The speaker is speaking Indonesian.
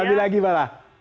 ambil lagi apa lah